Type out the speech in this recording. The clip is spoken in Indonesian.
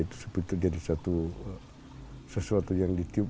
itu seperti itu jadi sesuatu yang ditiup